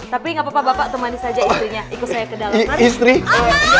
tapi gak apa apa bapak temani saja istrinya